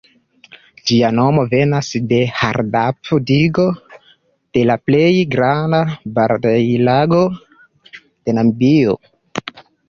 Ĝia nomo venas de Hardap-digo, la plej granda baraĵlago de Namibio.